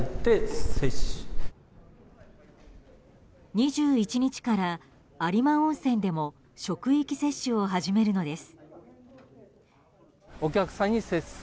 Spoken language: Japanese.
２１日から有馬温泉でも職域接種を始めるのです。